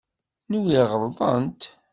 Nwiɣ ɣelḍent.